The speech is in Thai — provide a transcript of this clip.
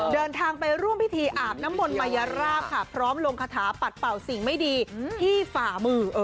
เดินทางไปร่วมพิธีอาบน้ำมนต์มายราบค่ะพร้อมลงคาถาปัดเป่าสิ่งไม่ดีที่ฝ่ามือ